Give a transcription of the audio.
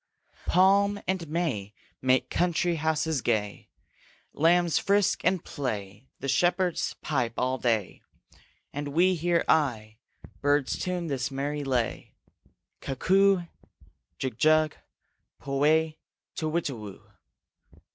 The palm and may make country houses gay, Lambs frisk and play, the shepherds pipe all day, And we hear aye, birds tune this merry lay, Cuckoo, jug jug, pu we, to witta woo!